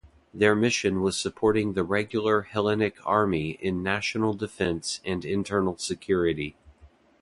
Their mission was supporting the regular Hellenic Army in national defence and internal security.